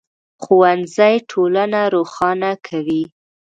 ښوونځی ټولنه روښانه کوي